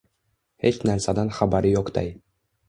Hech narsadan xabari yo‘qday